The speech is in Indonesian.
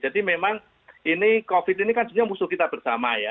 memang ini covid ini kan sebenarnya musuh kita bersama ya